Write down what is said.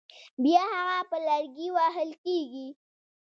بیا هغه په لرګي وهل کېږي.